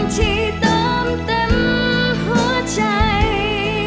ที่เติมเต็มหัวใจ